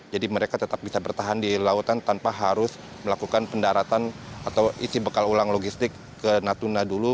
jadi mereka tetap bisa bertahan di lautan tanpa harus melakukan pendaratan atau isi bekal ulang logistik ke natuna dulu